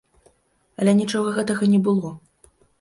Але нічога гэтага не было.